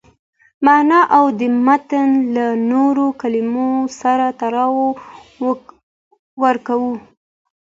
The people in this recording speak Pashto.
مانا او د متن له نورو کلمو سره تړاو ورکوي.